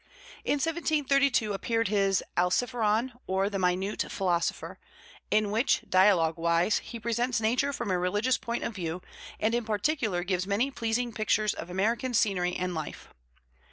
In 1732 appeared his Alciphron, or the Minute Philosopher, in which, dialogue wise, he presents nature from a religious point of view and in particular gives many pleasing pictures of American scenery and life.